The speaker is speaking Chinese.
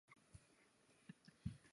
其他国家也有类似认证奖项。